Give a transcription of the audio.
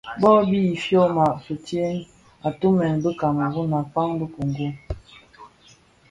Bë bi fyoma fistem, atumèn bi Kameru a kpaň a kongo.